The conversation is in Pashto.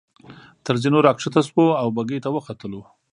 تر زینو را کښته شوو او بګۍ ته وختو.